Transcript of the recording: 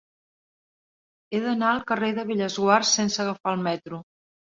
He d'anar al carrer de Bellesguard sense agafar el metro.